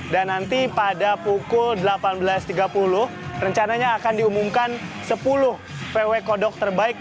dan nanti pada pukul delapan belas tiga puluh rencananya akan diumumkan sepuluh vwvw kodok terbaik